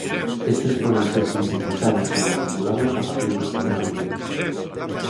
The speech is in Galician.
Estes poden ser sintetizados ou acumulados a partir dos que hai no ambiente.